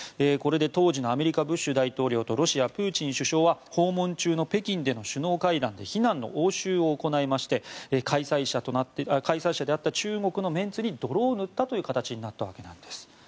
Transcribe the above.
これで当時のアメリカのブッシュ大統領とロシアのプーチン首相は訪問中の北京での首脳会談で非難の応酬を行いまして開催者であった中国のメンツに泥を塗ったという形になったわけです。